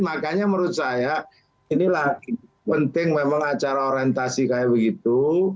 makanya menurut saya inilah penting memang acara orientasi kayak begitu